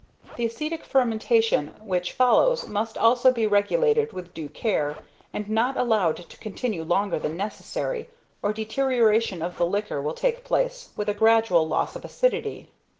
The acetic fermentation which follows must also be regulated with due care, and not allowed to continue longer than necessary, or deterioration of the liquor will take place with a gradual loss of acidity.